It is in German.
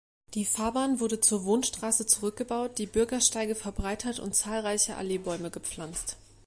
Die Fahrbahn wurde zur Wohnstraße zurückgebaut, die Bürgersteige verbreitert und zahlreiche Alleebäume gepflanzt.